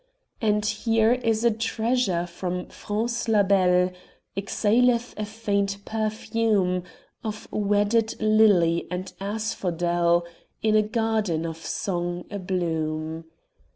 And here is a treasure from France la belle Exhaleth a faint perfume Of wedded lily and asphodel In a garden of song abloom.